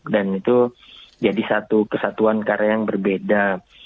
itu jadi satu kesatuan karya yang berbeda